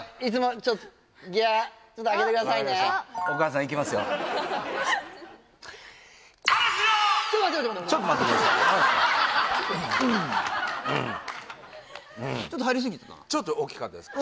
ちょっとおっきかったですか？